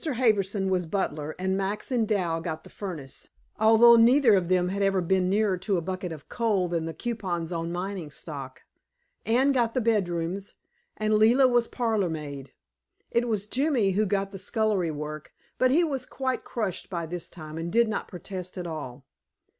Harbison was butler, and Max and Dal got the furnace, although neither of them had ever been nearer to a bucket of coal than the coupons on mining stock. Anne got the bedrooms, and Leila was parlor maid. It was Jimmy who got the scullery work, but he was quite crushed by this time, and did not protest at all.